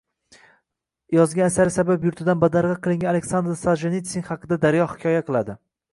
Yozgan asari sabab yurtidan badarg‘a qilingan Aleksandr Soljenitsin haqida Daryo hikoya qiladi